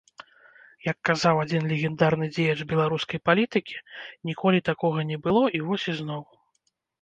Як казаў адзін легендарны дзеяч беларускай палітыкі, ніколі такога не было, і вось ізноў!